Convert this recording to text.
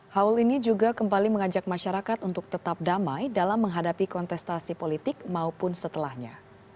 haul ini juga kembali mengajak masyarakat untuk tetap damai dalam menghadapi kontestasi politik maupun setelahnya